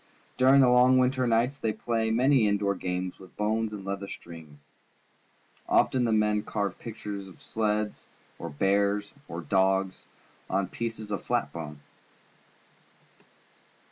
During the long winter nights they play many in door games with bones and leather strings. Often the men carve pictures of sleds, or bears, or dogs, on pieces of flat bone.